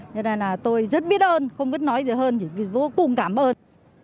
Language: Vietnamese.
nên là tôi rất biết ơn không biết nói gì hơn vô cùng cảm ơn